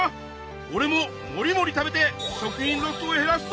おれもモリモリ食べて食品ロスを減らすぞ！